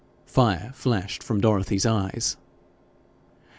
Fire flashed from Dorothy's eyes.